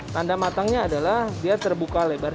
tanda matangnya adalah dia terbuka lebar